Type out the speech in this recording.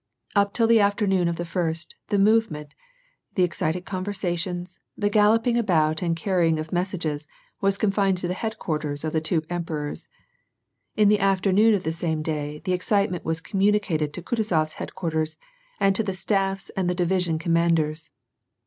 Up till the afternoon of the first, the movement, the excited conversations, the galloping about and carrying of messages was confined to the headquarters of the two emperors ; in the afternoon of the same day, the excitement was communicated to Kutuzofs headquarters, and to the staffs of the division commanders.